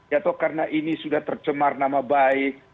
ya tolong karena ini sudah tercemar nama baik